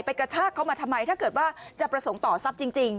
กระชากเขามาทำไมถ้าเกิดว่าจะประสงค์ต่อทรัพย์จริง